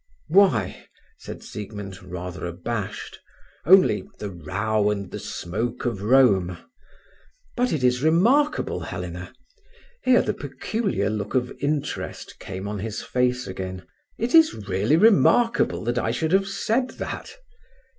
"Why," said Siegmund, rather abashed, "only 'the row and the smoke of Rome'. But it is remarkable, Helena"—here the peculiar look of interest came on his face again—"it is really remarkable that I should have said that."